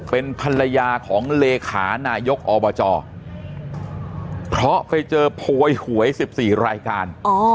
เป็นภรรยาของเลขานายกอบจเพราะไปเจอโพยหวย๑๔รายการ